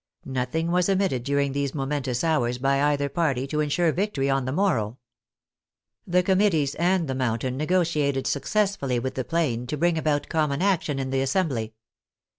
Nothing was omitted during these momentous hours by either party to ensure victory on the morrow. The Committees and the Mountain negotiated successfully with the Plain to bring about common action in the Assembly.